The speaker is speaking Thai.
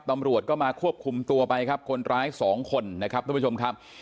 ตำรวจก็มาควบคุมตัวไปครับคนร้ายสองคนนะครับทุกผู้ชมครับ